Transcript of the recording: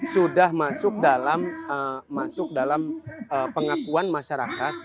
sudah masuk dalam pengakuan masyarakat